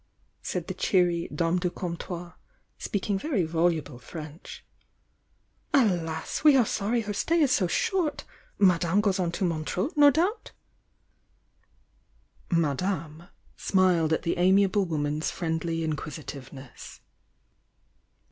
said the cheery dame du comptoir, speaking very voluble French. "Alas, we are sorry her stay is so short! Madame goes on to Montreux, no doubt?" "Madame" smiled at the amiable woman's friend ly inquisitivencss.